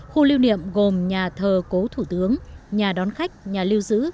khu lưu niệm gồm nhà thờ cố thủ tướng nhà đón khách nhà lưu giữ